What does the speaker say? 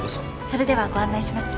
それではご案内します。